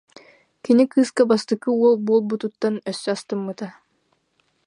Кини кыыска бастакы уол буолбутуттан өссө астыммыта